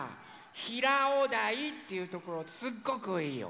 ひらおだいっていうところすっごくいいよ。